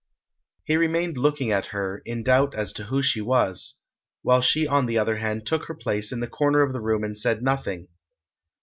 He remained looking at her, in doubt as to who she was, while she on the other hand took her place in the corner of the room and said nothing.